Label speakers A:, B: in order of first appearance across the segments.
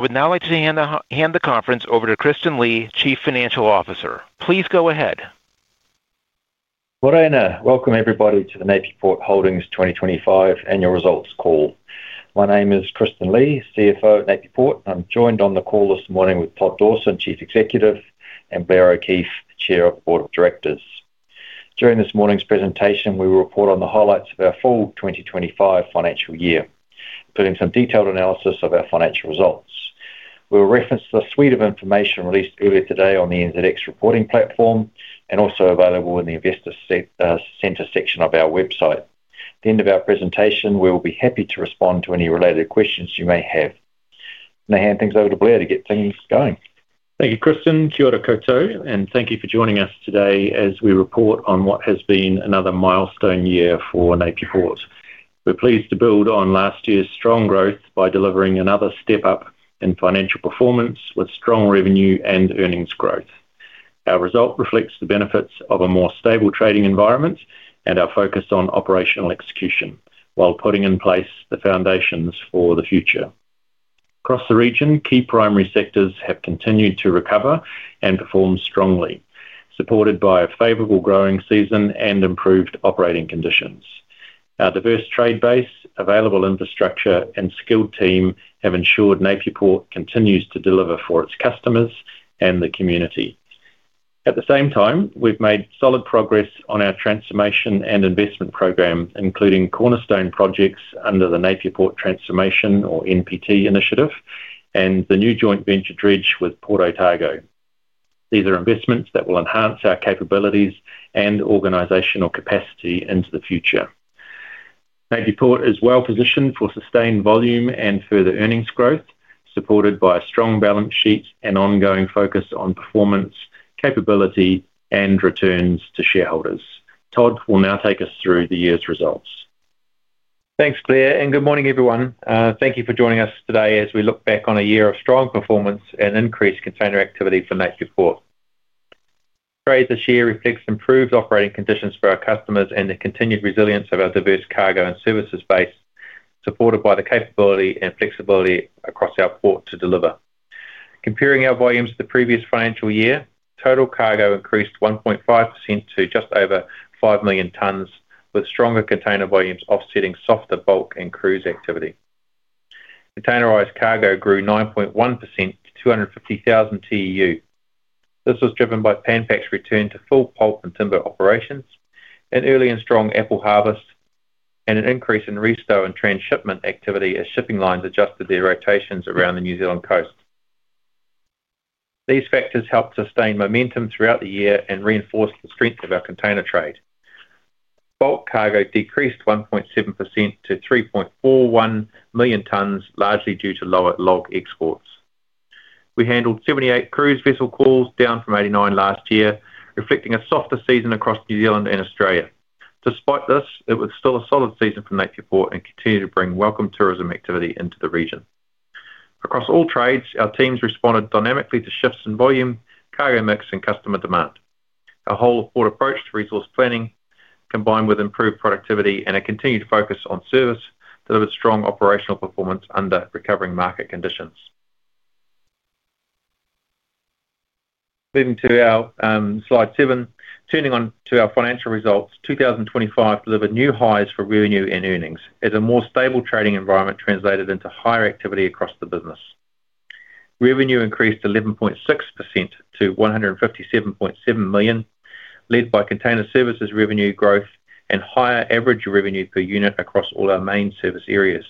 A: Would now like to hand the conference over to Kristen Lie, Chief Financial Officer. Please go ahead.
B: Morena. Welcome, everybody, to the Napier Port Holdings 2025 Annual Results Call. My name is Kristen Lie, CFO at Napier Port. I'm joined on the call this morning with Todd Dawson, Chief Executive, and Blair O'Keeffe, Chair of the Board of Directors. During this morning's presentation, we will report on the highlights of our fall 2025 financial year, including some detailed analysis of our financial results. We will reference the suite of information released earlier today on the NZX Reporting Platform and also available in the Investor Center section of our website. At the end of our presentation, we will be happy to respond to any related questions you may have. I'm going to hand things over to Blair to get things going.
C: Thank you, Kristen. Kia ora koutou, and thank you for joining us today as we report on what has been another milestone year for Napier Port. We're pleased to build on last year's strong growth by delivering another step up in financial performance with strong revenue and earnings growth. Our result reflects the benefits of a more stable trading environment and our focus on operational execution while putting in place the foundations for the future. Across the region, key primary sectors have continued to recover and perform strongly, supported by a favorable growing season and improved operating conditions. Our diverse trade base, available infrastructure, and skilled team have ensured Napier Port continues to deliver for its customers and the community. At the same time, we've made solid progress on our transformation and investment program, including cornerstone projects under the Napier Port Transformation, or NPT, initiative and the new joint venture DRIDGE with Port Otago. These are investments that will enhance our capabilities and organizational capacity into the future. Napier Port is well positioned for sustained volume and further earnings growth, supported by a strong balance sheet and ongoing focus on performance, capability, and returns to shareholders. Todd will now take us through the year's results.
D: Thanks, Blair, and good morning, everyone. Thank you for joining us today as we look back on a year of strong performance and increased container activity for Napier Port. Trade this year reflects improved operating conditions for our customers and the continued resilience of our diverse cargo and services base, supported by the capability and flexibility across our port to deliver. Comparing our volumes to the previous financial year, total cargo increased 1.5% to just over 5 million tons, with stronger container volumes offsetting softer bulk and cruise activity. Containerized cargo grew 9.1% to 250,000 TEU. This was driven by Pan Pac Forest Products' return to full pulp and timber operations, an early and strong apple harvest, and an increase in restore and transshipment activity as shipping lines adjusted their rotations around the New Zealand coast. These factors helped sustain momentum throughout the year and reinforced the strength of our container trade. Bulk cargo decreased 1.7% to 3.41 million tons, largely due to lower log exports. We handled 78 cruise vessel calls, down from 89 last year, reflecting a softer season across New Zealand and Australia. Despite this, it was still a solid season for Napier Port and continued to bring welcome tourism activity into the region. Across all trades, our teams responded dynamically to shifts in volume, cargo mix, and customer demand. Our whole-of-port approach to resource planning, combined with improved productivity and a continued focus on service, delivered strong operational performance under recovering market conditions. Moving to our slide seven, turning on to our financial results, 2025 delivered new highs for revenue and earnings as a more stable trading environment translated into higher activity across the business. Revenue increased 11.6% to 157.7 million, led by container services revenue growth and higher average revenue per unit across all our main service areas.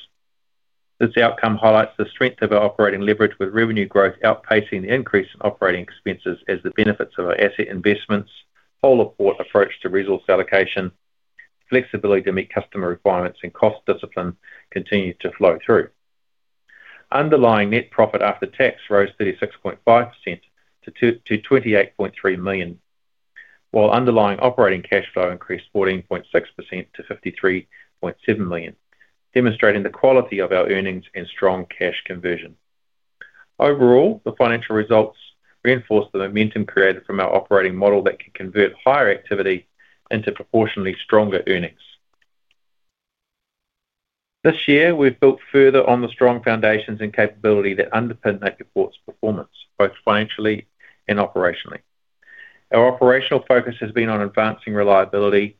D: This outcome highlights the strength of our operating leverage, with revenue growth outpacing the increase in operating expenses as the benefits of our asset investments, whole-of-port approach to resource allocation, flexibility to meet customer requirements, and cost discipline continued to flow through. Underlying net profit after tax rose 36.5% to 28.3 million, while underlying operating cash flow increased 14.6% to 53.7 million, demonstrating the quality of our earnings and strong cash conversion. Overall, the financial results reinforced the momentum created from our operating model that can convert higher activity into proportionally stronger earnings. This year, we've built further on the strong foundations and capability that underpin Napier Port's performance, both financially and operationally. Our operational focus has been on advancing reliability,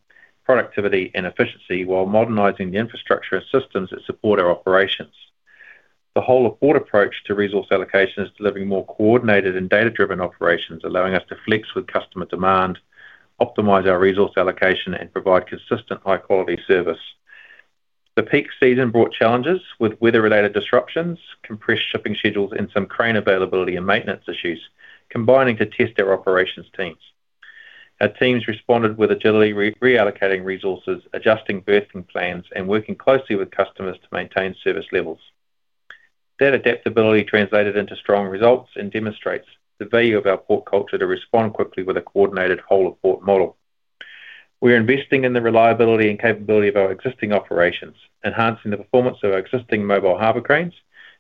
D: productivity, and efficiency while modernizing the infrastructure and systems that support our operations. The whole-of-port approach to resource allocation is delivering more coordinated and data-driven operations, allowing us to flex with customer demand, optimize our resource allocation, and provide consistent, high-quality service. The peak season brought challenges with weather-related disruptions, compressed shipping schedules, and some crane availability and maintenance issues, combining to test our operations teams. Our teams responded with agility, reallocating resources, adjusting berthing plans, and working closely with customers to maintain service levels. That adaptability translated into strong results and demonstrates the value of our port culture to respond quickly with a coordinated whole-of-port model. We're investing in the reliability and capability of our existing operations, enhancing the performance of our existing mobile harbor cranes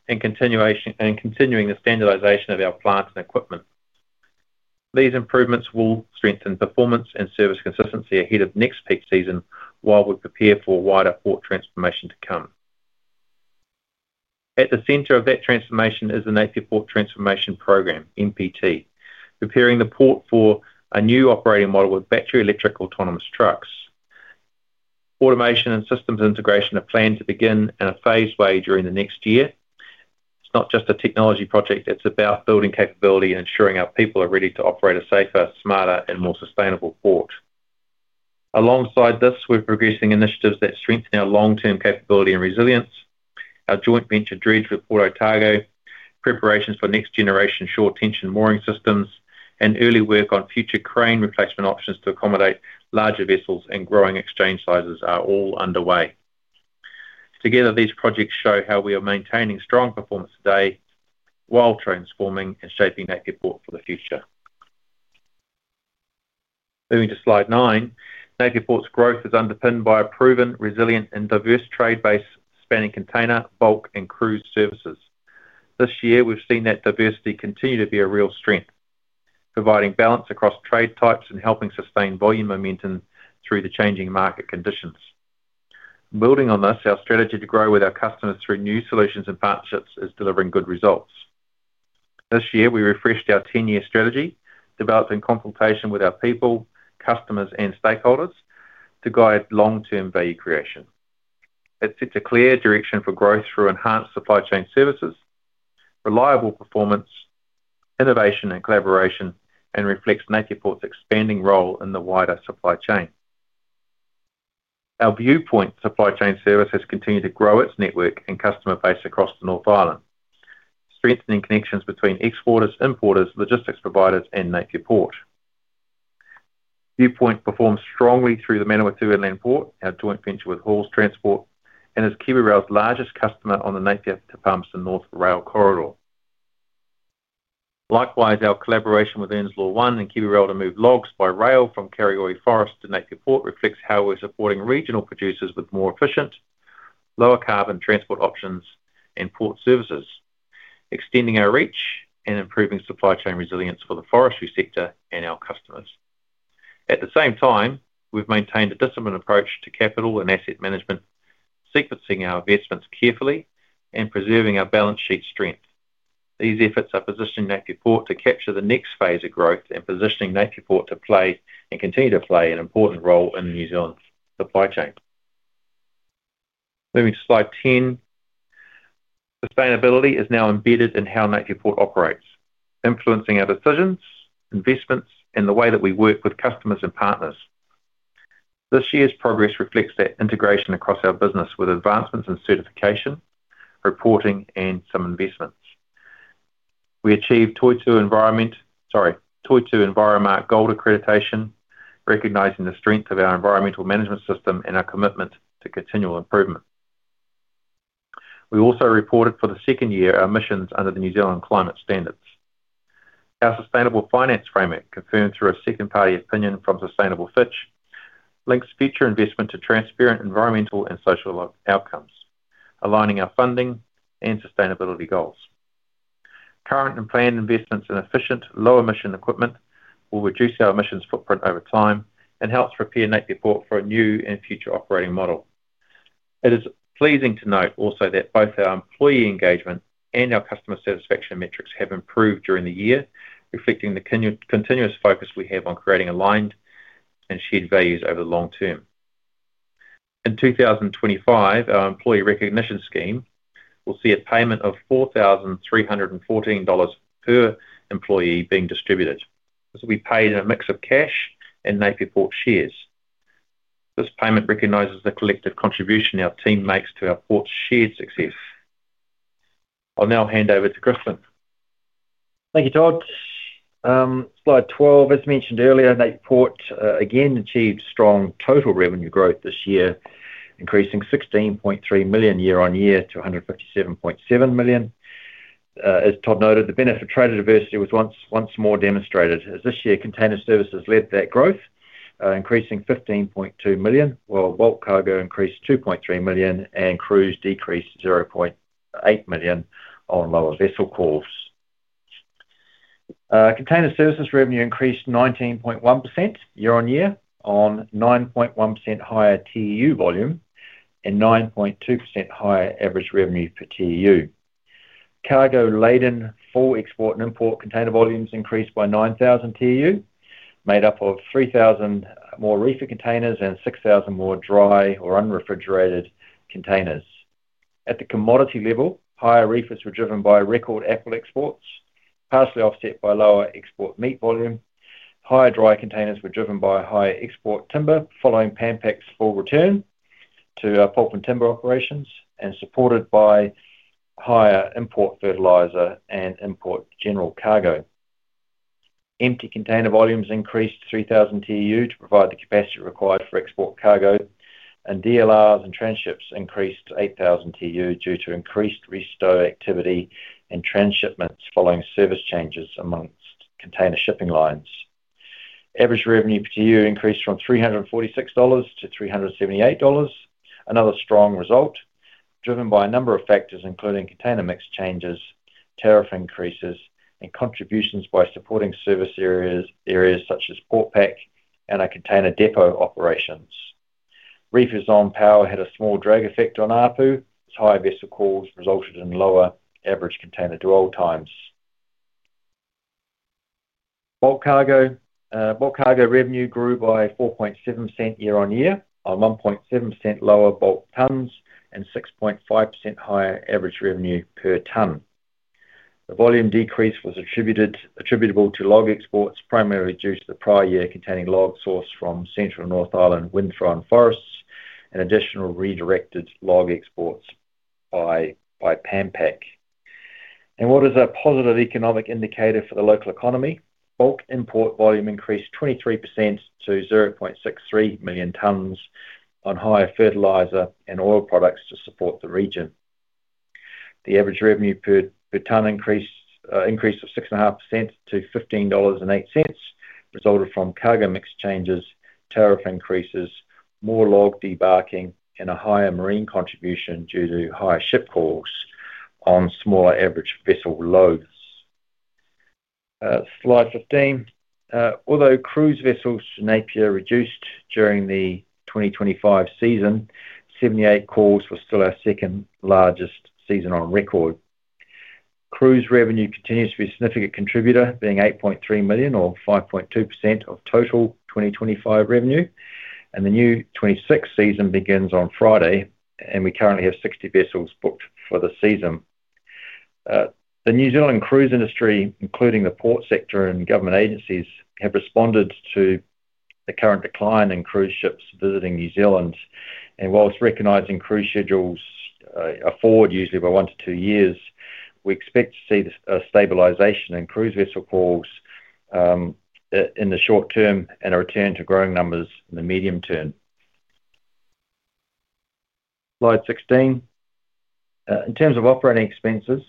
D: and continuing the standardization of our plants and equipment. These improvements will strengthen performance and service consistency ahead of next peak season while we prepare for a wider port transformation to come. At the center of that transformation is the Napier Port Transformation Program, NPT, preparing the port for a new operating model with battery-electric autonomous trucks. Automation and systems integration are planned to begin in a phased way during the next year. It's not just a technology project; it's about building capability and ensuring our people are ready to operate a safer, smarter, and more sustainable port. Alongside this, we're progressing initiatives that strengthen our long-term capability and resilience, our joint venture DRIDGE with Port Otago, preparations for next-generation short-tension mooring systems, and early work on future crane replacement options to accommodate larger vessels and growing exchange sizes are all underway. Together, these projects show how we are maintaining strong performance today while transforming and shaping Napier Port for the future. Moving to slide nine, Napier Port's growth is underpinned by a proven, resilient, and diverse trade base spanning container, bulk, and cruise services. This year, we have seen that diversity continue to be a real strength, providing balance across trade types and helping sustain volume momentum through the changing market conditions. Building on this, our strategy to grow with our customers through new solutions and partnerships is delivering good results. This year, we refreshed our 10-year strategy, developing consultation with our people, customers, and stakeholders to guide long-term value creation. It sets a clear direction for growth through enhanced supply chain services, reliable performance, innovation, and collaboration, and reflects Napier Port's expanding role in the wider supply chain. Our Viewpoint Supply Chain service has continued to grow its network and customer base across the North Island, strengthening connections between exporters, importers, logistics providers, and Napier Port. Viewpoint performs strongly through the Manawatū-Whanganui Port, our joint venture with Halls Transport, and is KiwiRail's largest customer on the Napier to Palmerston North Rail Corridor. Likewise, our collaboration with Ernslaw One and KiwiRail to move logs by rail from Karioi Forest to Napier Port reflects how we're supporting regional producers with more efficient, lower-carbon transport options and port services, extending our reach and improving supply chain resilience for the forestry sector and our customers. At the same time, we've maintained a disciplined approach to capital and asset management, sequencing our investments carefully and preserving our balance sheet strength. These efforts are positioning Napier Port to capture the next phase of growth and positioning Napier Port to play and continue to play an important role in the New Zealand supply chain. Moving to slide ten, sustainability is now embedded in how Napier Port operates, influencing our decisions, investments, and the way that we work with customers and partners. This year's progress reflects that integration across our business with advancements in certification, reporting, and some investments. We achieved Toitū Environmark Gold accreditation, recognizing the strength of our environmental management system and our commitment to continual improvement. We also reported for the second year our emissions under the New Zealand climate standards. Our sustainable finance framework, confirmed through a second-party opinion from Sustainable Fitch, links future investment to transparent environmental and social outcomes, aligning our funding and sustainability goals. Current and planned investments in efficient, low-emission equipment will reduce our emissions footprint over time and help prepare Napier Port for a new and future operating model. It is pleasing to note also that both our employee engagement and our customer satisfaction metrics have improved during the year, reflecting the continuous focus we have on creating aligned and shared values over the long term. In 2025, our employee recognition scheme will see a payment of 4,314 dollars per employee being distributed. This will be paid in a mix of cash and Napier Port shares. This payment recognizes the collective contribution our team makes to our port's shared success. I'll now hand over to Kristen.
B: Thank you, Todd. Slide 12, as mentioned earlier, Napier Port again achieved strong total revenue growth this year, increasing 16.3 million year-on-year to 157.7 million. As Todd noted, the benefit of trade diversity was once more demonstrated, as this year container services led that growth, increasing 15.2 million, while bulk cargo increased 2.3 million and cruise decreased 0.8 million on lower vessel calls. Container services revenue increased 19.1% year-on-year on 9.1% higher TEU volume and 9.2% higher average revenue per TEU. Cargo Laden full export and import container volumes increased by 9,000 TEU, made up of 3,000 more reefer containers and 6,000 more dry or unrefrigerated containers. At the commodity level, higher reefers were driven by record apple exports, partially offset by lower export meat volume. Higher dry containers were driven by higher export timber, following Pan Pac Forest Products' full return to pulp and timber operations and supported by higher import fertilizer and import general cargo. Empty container volumes increased 3,000 TEU to provide the capacity required for export cargo, and DLRs and transships increased 8,000 TEU due to increased restore activity and transshipments following service changes amongst container shipping lines. Average revenue per TEU increased from 346-378 dollars, another strong result driven by a number of factors, including container mix changes, tariff increases, and contributions by supporting service areas such as port pack and our container depot operations. Reefers on power had a small drag effect on ARPU, as higher vessel calls resulted in lower average container dwell times. Bulk cargo revenue grew by 4.7% year-on-year, at 1.7% lower bulk tons, and 6.5% higher average revenue per ton. The volume decrease was attributable to log exports, primarily due to the prior year containing log source from Central North Island windthrown forests and additional redirected log exports by Pan Pac. What is a positive economic indicator for the local economy? Bulk import volume increased 23% to 0.63 million tons on higher fertilizer and oil products to support the region. The average revenue per ton increased 6.5% to 15.08 dollars, resulting from cargo mix changes, tariff increases, more log debarking, and a higher marine contribution due to higher ship calls on smaller average vessel loads. Slide 15, although cruise vessels to Napier reduced during the 2025 season, 78 calls were still our second-largest season on record. Cruise revenue continues to be a significant contributor, being 8.3 million or 5.2% of total 2025 revenue, and the new 2026 season begins on Friday, and we currently have 60 vessels booked for the season. The New Zealand cruise industry, including the port sector and government agencies, have responded to the current decline in cruise ships visiting New Zealand. Whilst recognizing cruise schedules afford usually by one to two years, we expect to see a stabilization in cruise vessel calls in the short term and a return to growing numbers in the medium term. Slide 16, in terms of operating expenses,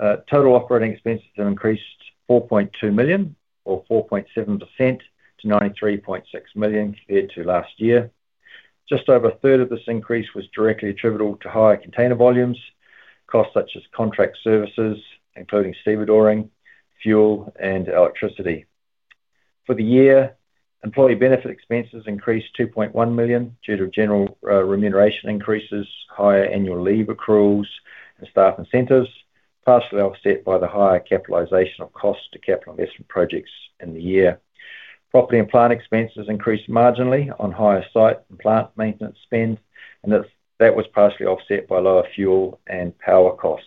B: total operating expenses have increased 4.2 million or 4.7% to 93.6 million compared to last year. Just over a third of this increase was directly attributable to higher container volumes, costs such as contract services, including stevedoring, fuel, and electricity. For the year, employee benefit expenses increased 2.1 million due to general remuneration increases, higher annual leave accruals, and staff incentives, partially offset by the higher capitalization of cost to capital investment projects in the year. Property and plant expenses increased marginally on higher site and plant maintenance spend, and that was partially offset by lower fuel and power costs.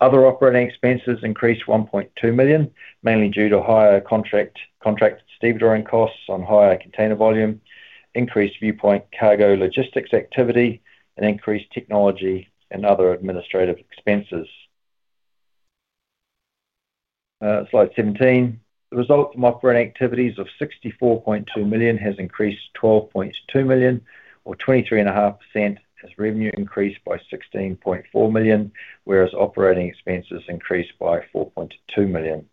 B: Other operating expenses increased 1.2 million, mainly due to higher contract stevedoring costs on higher container volume, increased Viewpoint cargo logistics activity, and increased technology and other administrative expenses. Slide 17, the result of operating activities of 64.2 million has increased 12.2 million or 23.5%, as revenue increased by 16.4 million, whereas operating expenses increased by 4.2 million.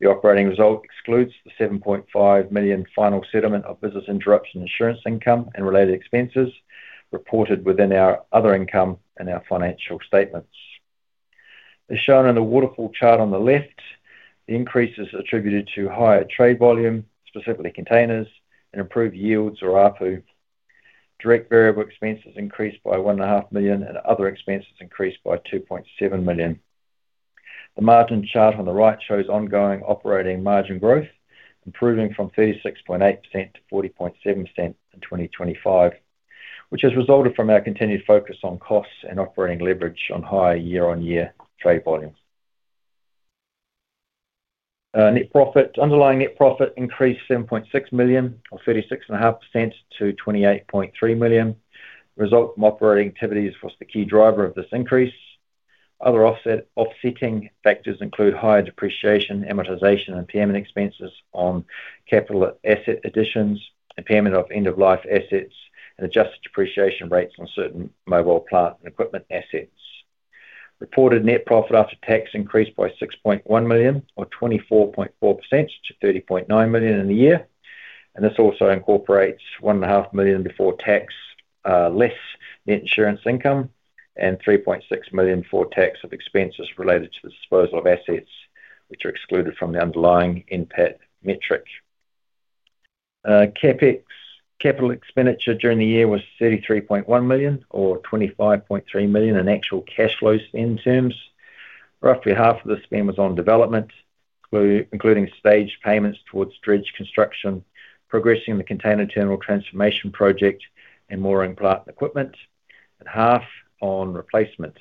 B: The operating result excludes the 7.5 million final settlement of business interruption insurance income and related expenses reported within our other income and our financial statements. As shown in the waterfall chart on the left, the increase is attributed to higher trade volume, specifically containers, and improved yields or ARPU. Direct variable expenses increased by 1.5 million and other expenses increased by 2.7 million. The margin chart on the right shows ongoing operating margin growth, improving from 36.8% to 40.7% in 2025, which has resulted from our continued focus on costs and operating leverage on higher year-on-year trade volumes. Underlying net profit increased 7.6 million or 36.5% to 28.3 million. The result of operating activities was the key driver of this increase. Other offsetting factors include higher depreciation, amortization, and impairment expenses on capital asset additions, impairment of end-of-life assets, and adjusted depreciation rates on certain mobile plant and equipment assets. Reported net profit after tax increased by 6.1 million or 24.4% to 30.9 million in the year, and this also incorporates 1.5 million before tax less net insurance income and 3.6 million before tax of expenses related to the disposal of assets, which are excluded from the underlying NPAT metric. CapEx capital expenditure during the year was 33.1 million or 25.3 million in actual cash flow spend terms. Roughly half of the spend was on development, including staged payments towards DRIDGE construction, progressing the container terminal transformation project and mooring plant equipment, and half on replacement,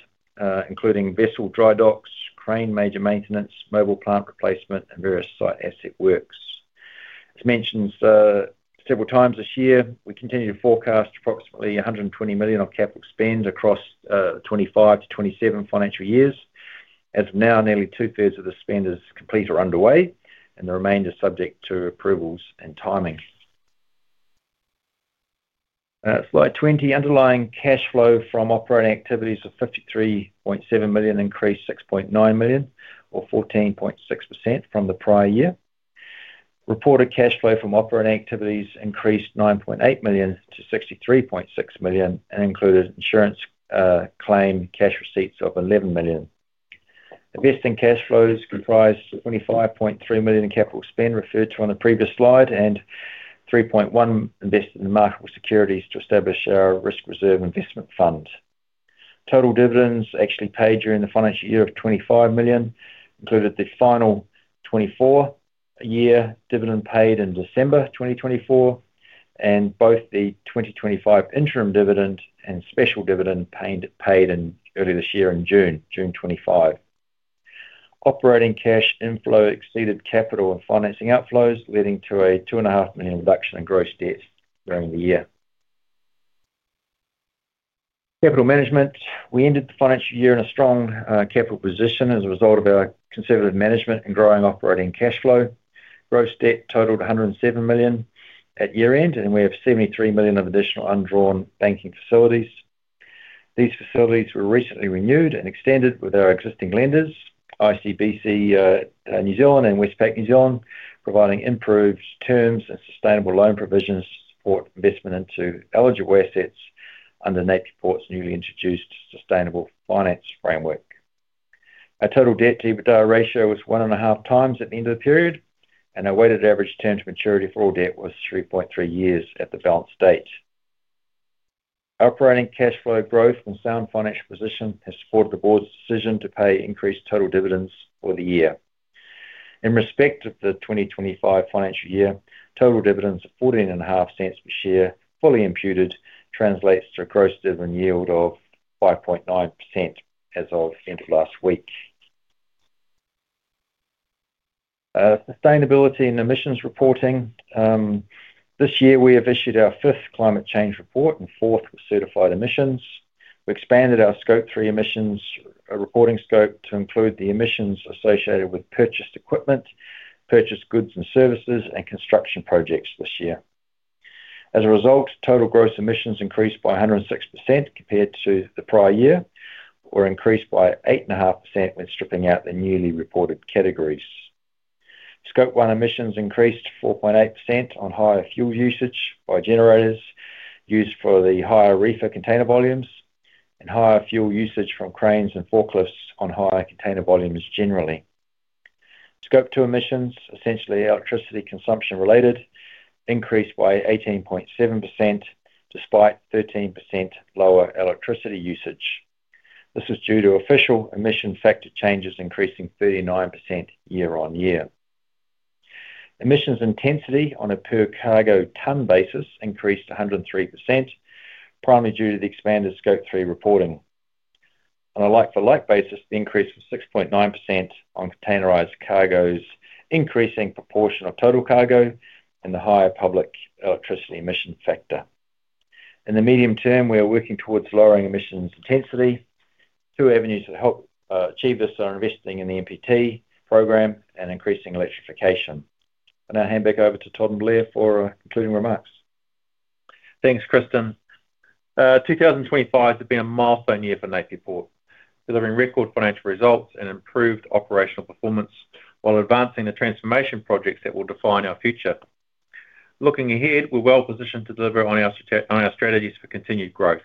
B: including vessel dry docks, crane major maintenance, mobile plant replacement, and various site asset works. As mentioned several times this year, we continue to forecast approximately 120 million of capital expend across 2025-2027 financial years, as now nearly two-thirds of the spend is complete or underway, and the remainder is subject to approvals and timing. Slide 20, underlying cash flow from operating activities of 53.7 million increased 6.9 million or 14.6% from the prior year. Reported cash flow from operating activities increased 9.8 million-63.6 million and included insurance claim cash receipts of 11 million. Investing cash flows comprised 25.3 million in capital spend referred to on the previous slide and 3.1 million invested in marketable securities to establish our risk reserve investment fund. Total dividends actually paid during the financial year of 25 million included the final 2024 dividend paid in December 2024 and both the 2025 interim dividend and special dividend paid early this year in June, June 2025. Operating cash inflow exceeded capital and financing outflows, leading to a 2.5 million reduction in gross debts during the year. Capital management, we ended the financial year in a strong capital position as a result of our conservative management and growing operating cash flow. Gross debt totaled 107 million at year-end, and we have 73 million of additional undrawn banking facilities. These facilities were recently renewed and extended with our existing lenders, ICBC New Zealand and Westpac New Zealand, providing improved terms and sustainable loan provisions to support investment into eligible assets under Napier Port's newly introduced sustainable finance framework. Our total debt-to-EBITDA ratio was 1.5 times at the end of the period, and our weighted average term to maturity for all debt was 3.3 years at the balance date. Operating cash flow growth and sound financial position have supported the board's decision to pay increased total dividends for the year. In respect of the 2025 financial year, total dividends of 0.145 per share, fully imputed, translates to a gross dividend yield of 5.9% as of the end of last week. Sustainability and emissions reporting, this year we have issued our fifth climate change report and fourth with certified emissions. We expanded our scope three emissions reporting scope to include the emissions associated with purchased equipment, purchased goods and services, and construction projects this year. As a result, total gross emissions increased by 106% compared to the prior year or increased by 8.5% when stripping out the newly reported categories. Scope one emissions increased 4.8% on higher fuel usage by generators used for the higher reefer container volumes and higher fuel usage from cranes and forklifts on higher container volumes generally. Scope two emissions, essentially electricity consumption related, increased by 18.7% despite 13% lower electricity usage. This was due to official emission factor changes increasing 39% year-on-year. Emissions intensity on a per cargo ton basis increased 103%, primarily due to the expanded scope three reporting. On a like-for-like basis, the increase was 6.9% on containerized cargo's increasing proportion of total cargo and the higher public electricity emission factor. In the medium term, we are working towards lowering emissions intensity. Two avenues to help achieve this are investing in the NPT program and increasing electrification. I'll now hand back over to Todd and Blair for concluding remarks.
D: Thanks, Kristen. 2025 has been a milestone year for Napier Port, delivering record financial results and improved operational performance while advancing the transformation projects that will define our future. Looking ahead, we're well positioned to deliver on our strategies for continued growth.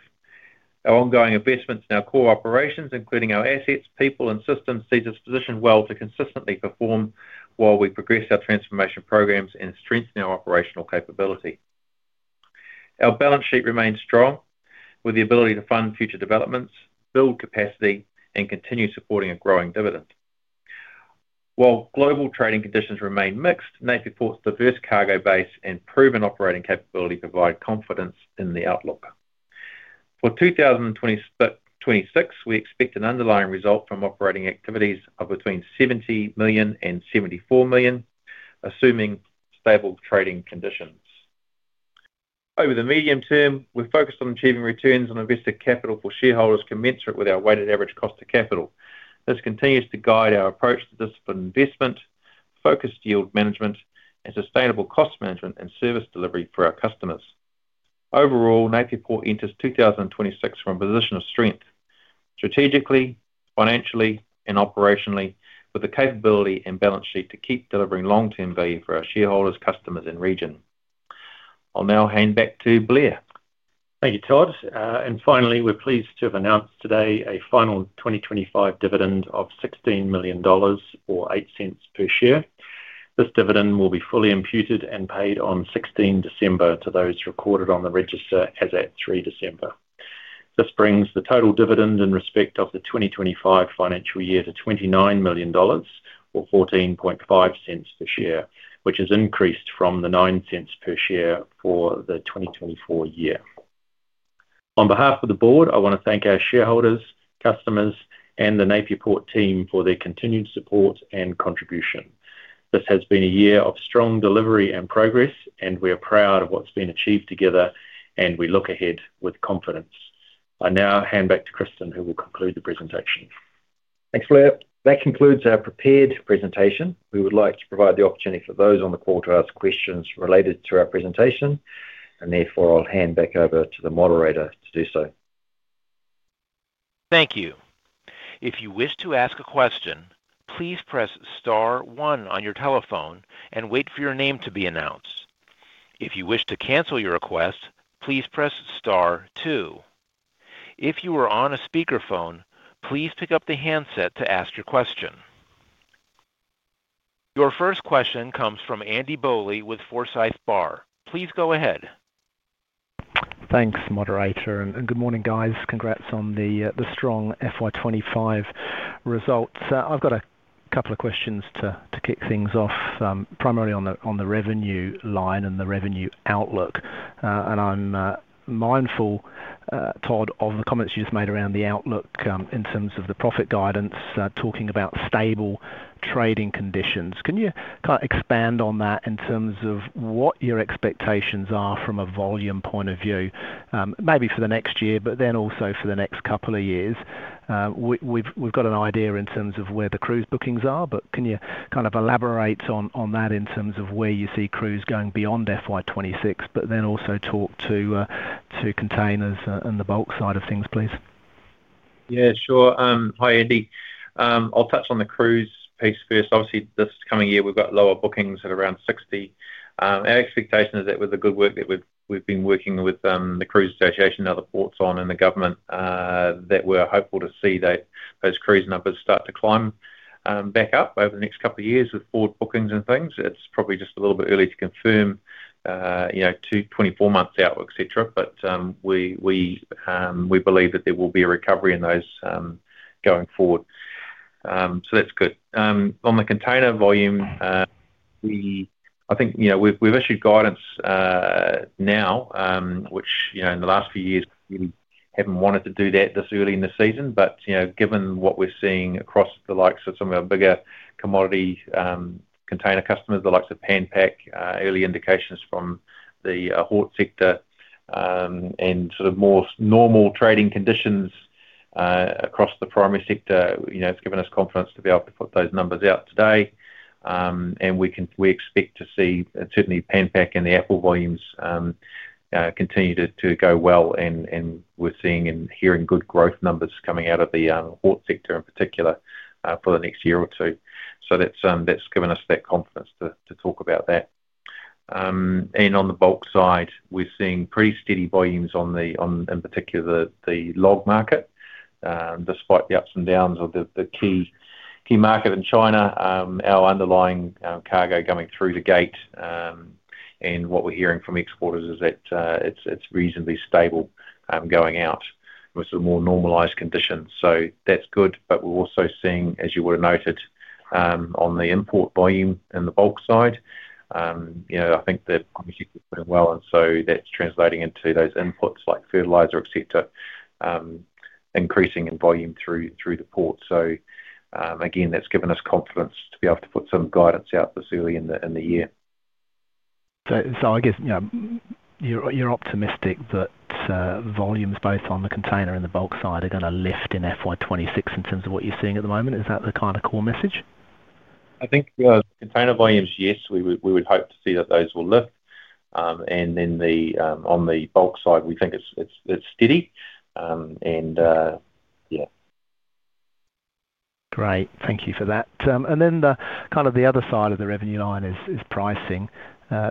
D: Our ongoing investments in our core operations, including our assets, people, and systems, see this position well to consistently perform while we progress our transformation programs and strengthen our operational capability. Our balance sheet remains strong, with the ability to fund future developments, build capacity, and continue supporting a growing dividend. While global trading conditions remain mixed, Napier Port's diverse cargo base and proven operating capability provide confidence in the outlook. For 2026, we expect an underlying result from operating activities of between 70 million and 74 million, assuming stable trading conditions. Over the medium term, we're focused on achieving returns on invested capital for shareholders commensurate with our weighted average cost to capital. This continues to guide our approach to disciplined investment, focused yield management, and sustainable cost management and service delivery for our customers. Overall, Napier Port enters 2026 from a position of strength, strategically, financially, and operationally, with the capability and balance sheet to keep delivering long-term value for our shareholders, customers, and region. I'll now hand back to Blair.
C: Thank you, Todd. Finally, we're pleased to have announced today a final 2025 dividend of 16 million dollars or 0.08 per share. This dividend will be fully imputed and paid on 16 December to those recorded on the register as at 3 December. This brings the total dividend in respect of the 2025 financial year to 29 million dollars or 0.145 per share, which has increased from the 0.09 per share for the 2024 year. On behalf of the Board, I want to thank our shareholders, customers, and the Napier Port team for their continued support and contribution. This has been a year of strong delivery and progress, and we are proud of what's been achieved together, and we look ahead with confidence. I now hand back to Kristen, who will conclude the presentation.
B: Thanks, Blair. That concludes our prepared presentation. We would like to provide the opportunity for those on the call to ask questions related to our presentation, and therefore I'll hand back over to the moderator to do so.
A: Thank you. If you wish to ask a question, please press star one on your telephone and wait for your name to be announced. If you wish to cancel your request, please press star two. If you are on a speakerphone, please pick up the handset to ask your question. Your first question comes from Andy Bowley with Forsyth Barr. Please go ahead.
E: Thanks, moderator, and good morning, guys. Congrats on the strong FY25 results. I've got a couple of questions to kick things off, primarily on the revenue line and the revenue outlook. I'm mindful, Todd, of the comments you just made around the outlook in terms of the profit guidance, talking about stable trading conditions. Can you kind of expand on that in terms of what your expectations are from a volume point of view, maybe for the next year, but then also for the next couple of years? We've got an idea in terms of where the cruise bookings are, but can you kind of elaborate on that in terms of where you see cruise going beyond FY2026, but then also talk to containers and the bulk side of things, please?
D: Yeah, sure. Hi, Andy. I'll touch on the cruise piece first. Obviously, this coming year, we've got lower bookings at around 60. Our expectation is that with the good work that we've been working with the cruise association and other ports on and the government, that we're hopeful to see those cruise numbers start to climb back up over the next couple of years with forward bookings and things. It's probably just a little bit early to confirm 24 months out, etc., but we believe that there will be a recovery in those going forward. So that's good. On the container volume, I think we've issued guidance now, which in the last few years, we haven't wanted to do that this early in the season. However, given what we're seeing across the likes of some of our bigger commodity container customers, the likes of Pan Pac, early indications from the port sector, and sort of more normal trading conditions across the primary sector, it's given us confidence to be able to put those numbers out today. We expect to see certainly Pan Pac and the apple volumes continue to go well, and we're seeing and hearing good growth numbers coming out of the port sector in particular for the next year or two. That has given us that confidence to talk about that. On the bulk side, we're seeing pretty steady volumes, in particular the log market, despite the ups and downs of the key market in China, our underlying cargo going through the gate. What we're hearing from exporters is that it's reasonably stable going out with some more normalized conditions. That's good. We're also seeing, as you would have noted, on the import volume and the bulk side, I think that obviously we're doing well, and that's translating into those inputs like fertilizer, etc., increasing in volume through the port. Again, that's given us confidence to be able to put some guidance out this early in the year.
E: I guess you're optimistic that volumes both on the container and the bulk side are going to lift in FY2026 in terms of what you're seeing at the moment. Is that the kind of core message?
D: I think container volumes, yes, we would hope to see that those will lift. On the bulk side, we think it's steady. Yeah.
E: Great. Thank you for that. Then kind of the other side of the revenue line is pricing.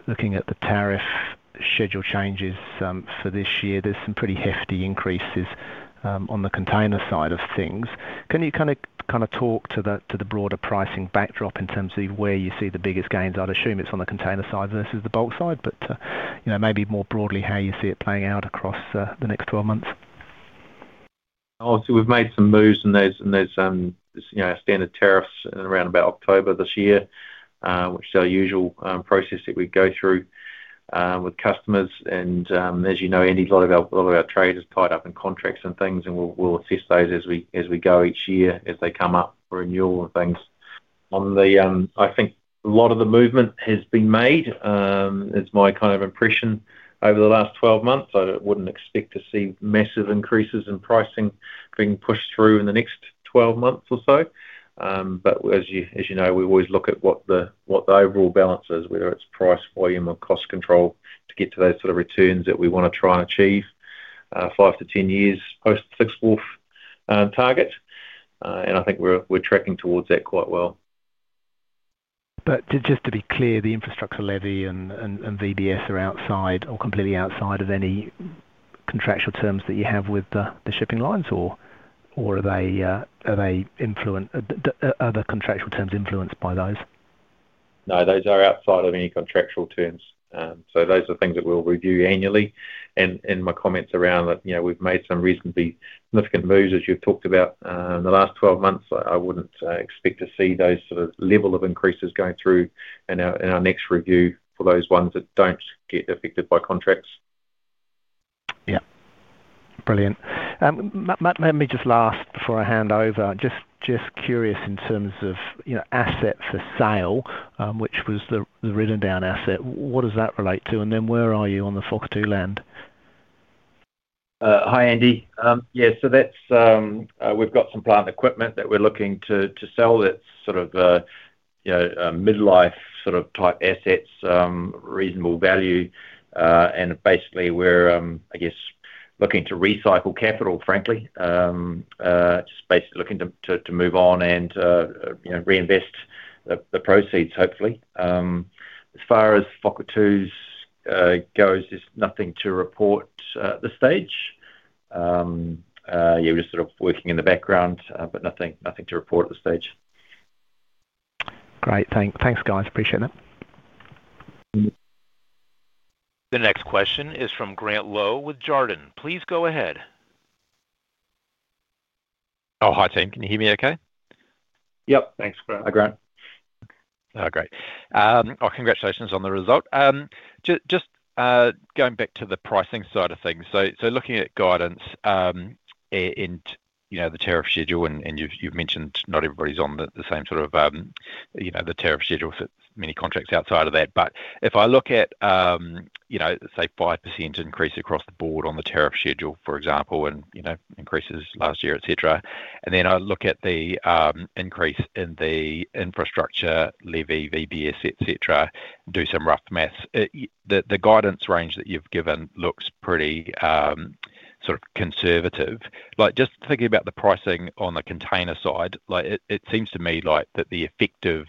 E: Looking at the tariff schedule changes for this year, there's some pretty hefty increases on the container side of things. Can you kind of talk to the broader pricing backdrop in terms of where you see the biggest gains? I'd assume it's on the container side versus the bulk side, but maybe more broadly how you see it playing out across the next 12 months.
D: Obviously, we've made some moves in those standard tariffs around about October this year, which is our usual process that we go through with customers. As you know, a lot of our trade is tied up in contracts and things, and we'll assess those as we go each year as they come up for renewal and things. I think a lot of the movement has been made. It's my kind of impression over the last 12 months. I wouldn't expect to see massive increases in pricing being pushed through in the next 12 months or so. As you know, we always look at what the overall balance is, whether it's price, volume, or cost control to get to those sort of returns that we want to try and achieve 5 to 10 years post Fixed Wolf target. I think we're tracking towards that quite well.
E: Just to be clear, the infrastructure levy and VBS are outside or completely outside of any contractual terms that you have with the shipping lines, or are they other contractual terms influenced by those?
D: No, those are outside of any contractual terms. Those are things that we will review annually. My comments around that, we have made some reasonably significant moves, as you have talked about, in the last 12 months. I would not expect to see those sort of level of increases going through in our next review for those ones that do not get affected by contracts.
E: Yeah. Brilliant. Let me just last before I hand over. Just curious in terms of asset for sale, which was the written down asset. What does that relate to? And then where are you on the FOX2 land?
C: Hi, Andy. Yeah. We've got some plant equipment that we're looking to sell that's sort of midlife type assets, reasonable value. Basically, we're, I guess, looking to recycle capital, frankly. Just basically looking to move on and reinvest the proceeds, hopefully. As far as FOX2s goes, there's nothing to report at this stage. Yeah, we're just sort of working in the background, but nothing to report at this stage.
E: Great. Thanks, guys. Appreciate it.
A: The next question is from Grant Lowe with Jarden. Please go ahead.
F: Oh, hi, team. Can you hear me okay?
D: Yep. Thanks, Grant.
B: Hi, Grant.
F: Great. Oh, congratulations on the result. Just going back to the pricing side of things. Looking at guidance and the tariff schedule, and you've mentioned not everybody's on the same sort of the tariff schedule for many contracts outside of that. If I look at, say, 5% increase across the board on the tariff schedule, for example, and increases last year, etc., and then I look at the increase in the infrastructure levy, VBS, etc., do some rough maths, the guidance range that you've given looks pretty sort of conservative. Just thinking about the pricing on the container side, it seems to me that the effective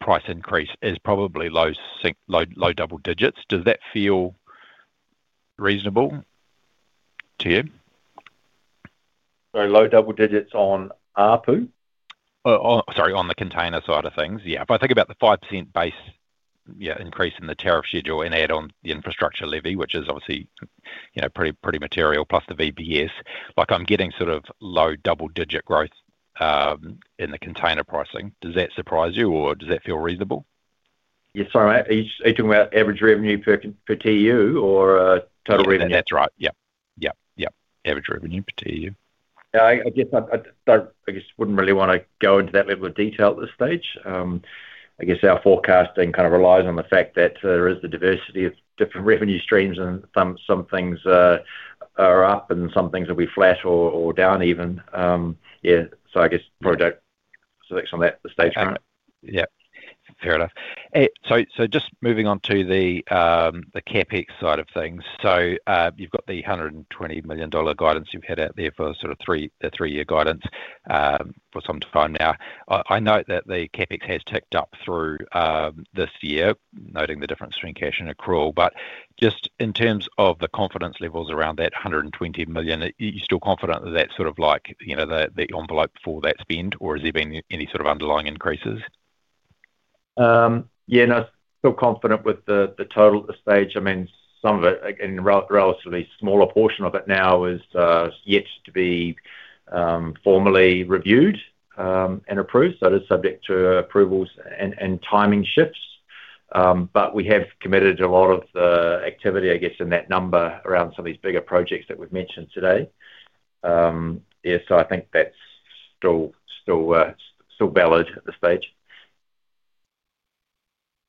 F: price increase is probably low double-digits. Does that feel reasonable to you? Low double digits on ARPU? Sorry, on the container side of things, yeah. If I think about the 5% base increase in the tariff schedule and add on the infrastructure levy, which is obviously pretty material, plus the VBS, I'm getting sort of low double digit growth in the container pricing. Does that surprise you, or does that feel reasonable?
B: Yeah. Sorry, are you talking about average revenue per TEU or total revenue?
F: That's right. Yep. Yep. Yep. Average revenue per TEU.
B: I guess I just wouldn't really want to go into that level of detail at this stage. I guess our forecasting kind of relies on the fact that there is the diversity of different revenue streams, and some things are up and some things will be flat or down even. Yeah. I guess probably do not select on that at this stage, Grant.
F: Yep. Fair enough. Just moving on to the CapEx side of things. You have the 120 million dollar guidance you have had out there for the three-year guidance for some time now. I note that the CapEx has ticked up through this year, noting the difference between cash and accrual. Just in terms of the confidence levels around that 120 million, are you still confident that that is sort of the envelope for that spend, or has there been any sort of underlying increases?
B: Yeah. No, still confident with the total at this stage. I mean, some of it, a relatively smaller portion of it now, is yet to be formally reviewed and approved. It is subject to approvals and timing shifts. We have committed a lot of the activity, I guess, in that number around some of these bigger projects that we have mentioned today. Yeah. I think that is still valid at this stage.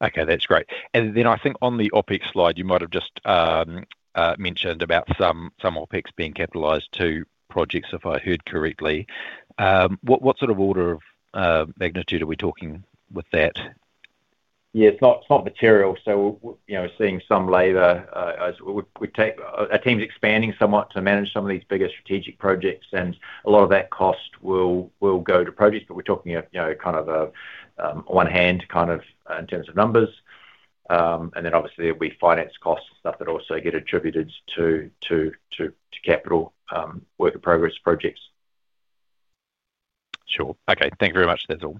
F: Okay. That is great. I think on the OpEx slide, you might have just mentioned about some OPEX being capitalized to projects, if I heard correctly. What sort of order of magnitude are we talking with that?
B: Yeah. It is not material. We're seeing some labor. Our team's expanding somewhat to manage some of these bigger strategic projects, and a lot of that cost will go to projects, but we're talking kind of one-hand kind of in terms of numbers. Obviously, there'll be finance costs and stuff that also get attributed to capital work in progress projects.
F: Sure. Okay. Thank you very much. That's all.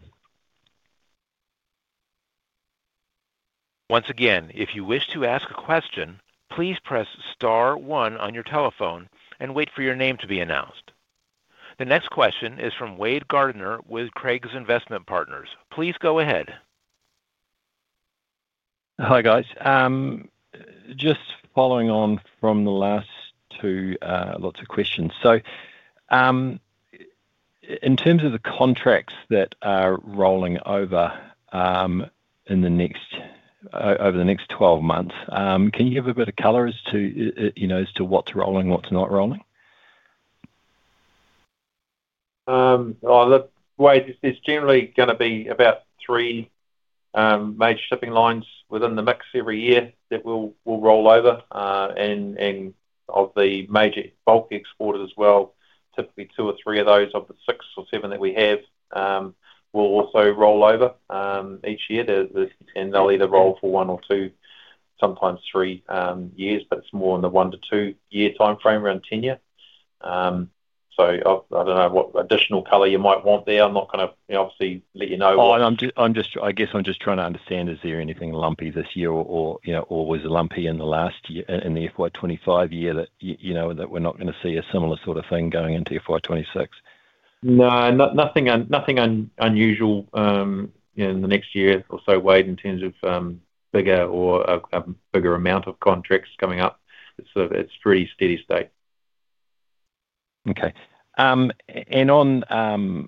A: Once again, if you wish to ask a question, please press star one on your telephone and wait for your name to be announced. The next question is from Wade Gardner with Craigs Investment Partners. Please go ahead.
G: Hi, guys. Just following on from the last two lots of questions. In terms of the contracts that are rolling over over the next 12 months, can you give a bit of color as to what's rolling, what's not rolling?
D: There's generally going to be about three major shipping lines within the mix every year that will roll over. Of the major bulk exporters as well, typically two or three of those of the six or seven that we have will also roll over each year. They'll either roll for one or two, sometimes three years, but it's more in the one to two-year timeframe, around tenure. I don't know what additional color you might want there. I'm not going to obviously let you know.
G: I guess I'm just trying to understand, is there anything lumpy this year or was lumpy in the FY2025 year that we're not going to see a similar sort of thing going into FY2026?
D: No, nothing unusual in the next year or so, Wade, in terms of bigger or a bigger amount of contracts coming up. It's pretty steady state.
G: Okay. On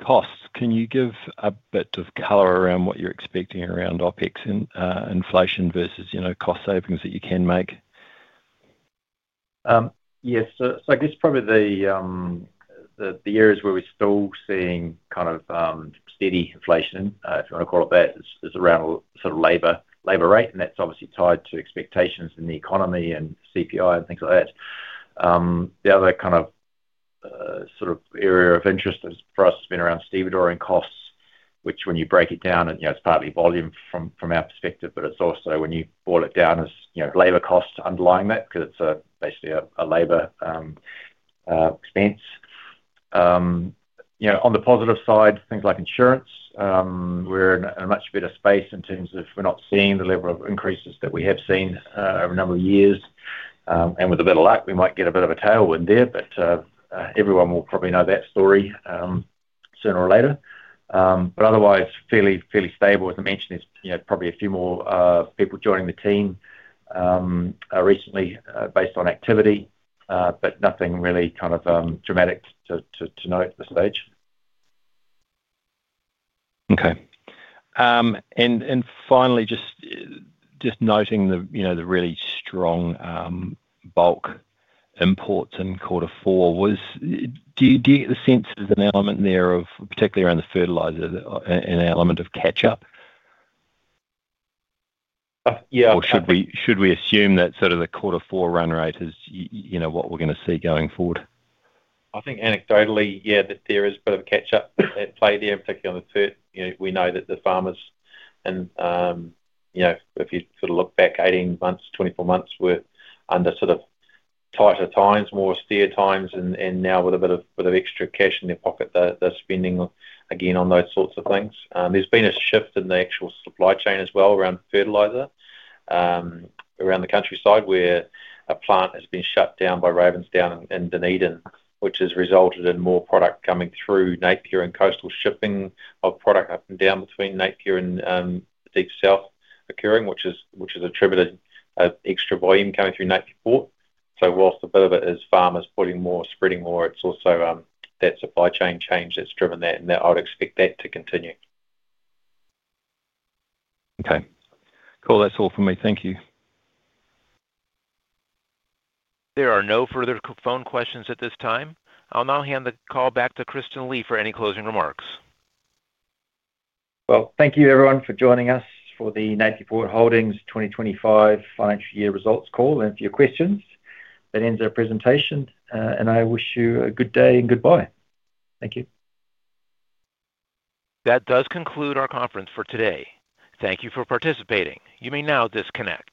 G: costs, can you give a bit of color around what you're expecting around OPEX and inflation versus cost savings that you can make?
D: Yes. I guess probably the areas where we're still seeing kind of steady inflation, if you want to call it that, is around sort of labor rate. That's obviously tied to expectations in the economy and CPI and things like that. The other kind of area of interest for us has been around stevedore and costs, which when you break it down, it's partly volume from our perspective, but it's also when you boil it down, it's labor costs underlying that because it's basically a labor expense. On the positive side, things like insurance, we're in a much better space in terms of we're not seeing the level of increases that we have seen over a number of years. With a bit of luck, we might get a bit of a tailwind there, but everyone will probably know that story sooner or later. Otherwise, fairly stable. As I mentioned, there are probably a few more people joining the team recently based on activity, but nothing really kind of dramatic to note at this stage.
G: Okay. Finally, just noting the really strong bulk imports in quarter four, do you get the sense there is an element there of, particularly around the fertilizer, an element of catch-up?
D: Yeah.
G: Or should we assume that sort of the quarter four run rate is what we are going to see going forward?
D: I think anecdotally, yeah, there is a bit of a catch-up at play there, particularly on the third. We know that the farmers, and if you sort of look back 18 months, 24 months, were under sort of tighter times, more steer times, and now with a bit of extra cash in their pocket, they're spending again on those sorts of things. There has been a shift in the actual supply chain as well around fertilizer around the countryside where a plant has been shut down by Ravensdown in Dunedin, which has resulted in more product coming through Napier and coastal shipping of product up and down between Napier and the deep south occurring, which has attributed extra volume coming through Napier Port. Whilst a bit of it is farmers putting more, spreading more, it is also that supply chain change that has driven that, and I would expect that to continue.
G: Okay. Cool. That's all for me. Thank you.
A: There are no further phone questions at this time. I will now hand the call back to Kristen Lie for any closing remarks.
B: Thank you, everyone, for joining us for the Napier Port Holdings 2025 financial year results call and for your questions. That ends our presentation, and I wish you a good day and goodbye. Thank you.
A: That does conclude our conference for today. Thank you for participating. You may now disconnect.